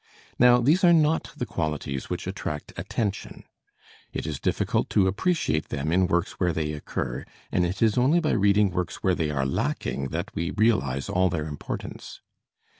Now, these are not the qualities which attract attention. It is difficult to appreciate them in works where they occur, and it is only by reading works where they are lacking that we realize all their importance.